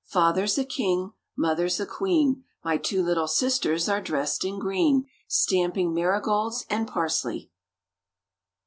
Father's a King, Mother's a Queen, My two little sisters are dressed in green, Stamping marigolds and parsley.